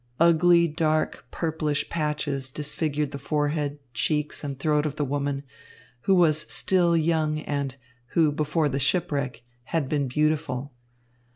Ugly, dark, purplish patches disfigured the forehead, cheeks, and throat of the woman, who was still young and who, before the shipwreck, had been beautiful.